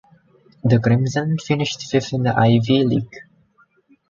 The Crimson finished fifth in the Ivy League.